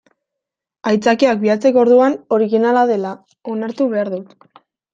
Aitzakiak bilatzeko orduan originala dela onartu behar dut.